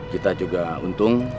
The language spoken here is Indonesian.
kita juga untung